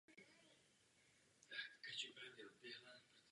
Myslím, že to vysílá velmi špatný signál evropským muslimům.